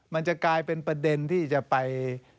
มันจะกลายเป็นประเด็นที่จะไป